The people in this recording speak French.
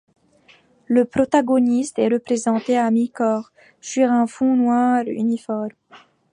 Le protagoniste est représenté à mi-corps sur un fond noir uniforme.